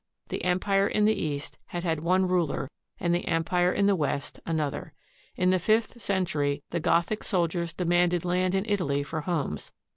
the Empire in the East had had one ruler and the Empire in the West another. In the fifth cen tury the Gothic soldiers demanded land in Italy for homes.